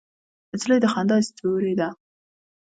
نجلۍ د خندا ستورې ده.